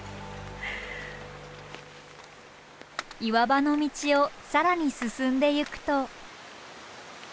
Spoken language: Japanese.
岩場の道を更に進んでゆくと。